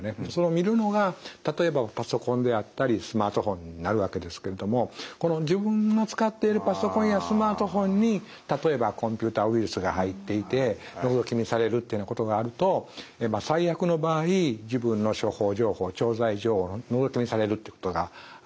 見るのが例えばパソコンであったりスマートフォンになるわけですけれどもこの自分の使っているパソコンやスマートフォンに例えばコンピューターウイルスが入っていてのぞき見されるっていうことがあると最悪の場合自分の処方情報調剤情報をのぞき見されるということがありえます。